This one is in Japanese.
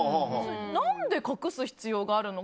何で隠す必要があるの？